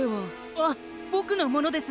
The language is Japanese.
あっぼくのものです！